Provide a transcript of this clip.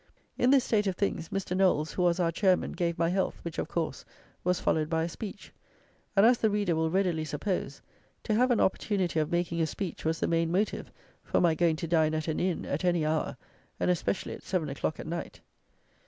In this state of things, Mr. Knowles, who was our chairman, gave my health, which, of course, was followed by a speech; and, as the reader will readily suppose, to have an opportunity of making a speech was the main motive for my going to dine at an inn, at any hour, and especially at seven o'clock at night.